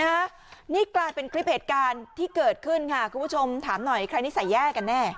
นี่กลายเป็นคลิปเหตุการณ์ที่เกิดขึ้นค่ะคุณผู้ชมถามหน่อยใครนิสัยแย่กันแน่